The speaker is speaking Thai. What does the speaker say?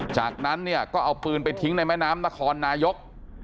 จากนั้นเนี่ยก็เอาปืนไปทิ้งในแม่น้ำนครนายก